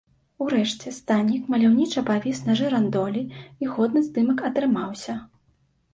Урэшце, станік маляўніча павіс на жырандолі і годны здымак атрымаўся.